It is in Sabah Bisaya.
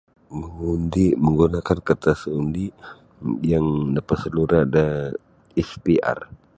Uundi' manggunakan kartas undi' yang napasalura' da SPR.